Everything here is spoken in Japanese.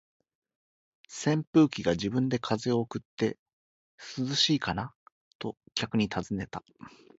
扇風機が自分で風を送って、「涼しいかな？」と客に尋ねた。